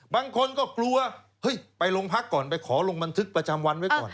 บางคนก็กลัวเฮ้ยไปโรงพักก่อนไปขอลงบันทึกประจำวันไว้ก่อน